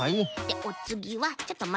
でおつぎはちょっと